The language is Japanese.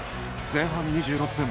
前半２６分。